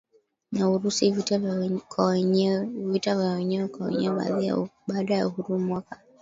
na Urusi Vita vya wenyewe kwa wenyewe Baada ya uhuru mwaka